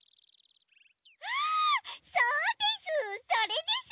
あそうです！